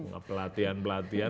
ada lagi pelatihan pelatihan